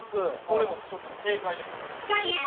これも一つの正解です。